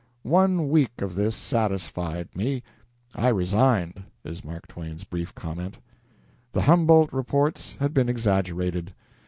"One week of this satisfied me. I resigned," is Mark Twain's brief comment. The Humboldt reports had been exaggerated.